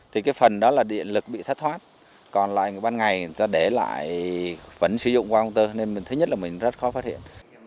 thì cái phần đó là điện lực bị thất thoát còn lại ban ngày người ta để lại vẫn sử dụng qua công tơ nên mình thứ nhất là mình rất khó phát hiện